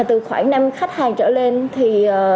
từ khoảng năm khách hàng trở lên thì